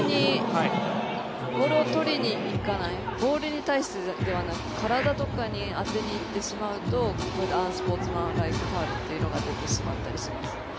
ボールを取りにいかない、ボールに対してではなく体に当てにいってしまうとこういったアンスポーツマンライクファウルが出てしまったりします。